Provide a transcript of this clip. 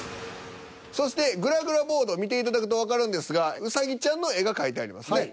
そしてぐらぐらボードを見ていただくとわかるんですがウサギちゃんの絵が描いてありますね。